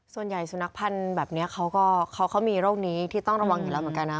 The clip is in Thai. ส่วนใหญ่สุนัขพันธุ์แบบเนี้ยเขาก็เขามีโรคนี้ที่ต้องระวังอย่างแหละเหมือนกันนะ